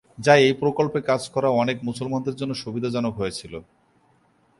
যা এই প্রকল্পে কাজ করা অনেক মুসলমানদের জন্য সুবিধাজনক হয়েছিলো।